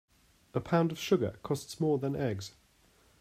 A pound of sugar costs more than eggs.